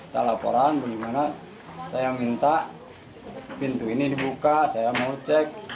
saya laporan bagaimana saya minta pintu ini dibuka saya mau cek